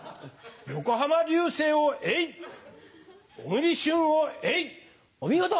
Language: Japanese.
横浜流星をえい、小栗旬をえお見事。